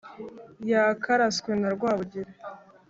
yakaraswe na rwabugiri